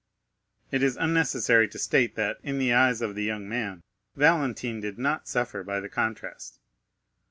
It is unnecessary to state that, in the eyes of the young man, Valentine did not suffer by the contrast.